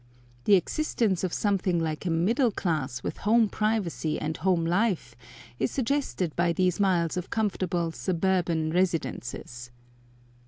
The existence of something like a middle class with home privacy and home life is suggested by these miles of comfortable "suburban residences."